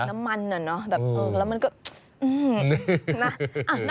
น้ำมันน่ะเนอะแบบเอองแล้วมันก็